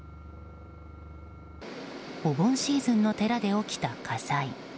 お盆シーズンの寺で起きた火災。